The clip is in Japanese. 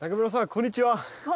こんにちは。